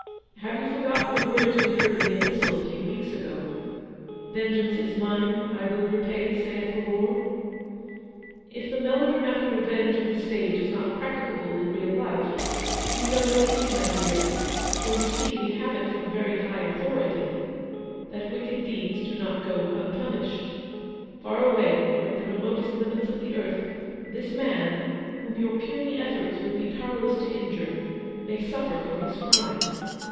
Have you forgotten the words we heard in the Epistle a few weeks ago —' Vengeance is mine, I will repay, saith the Lord?' If the melo dramatic revenge of the stage is not practicable in real life, we know at least, my dear — for you see we have it from very high authority — that wicked deeds do not go unpunished. Far away at the remotest limits of the earth, this man, whom your puny efforts would be powerless to injure, may suffer for his crime.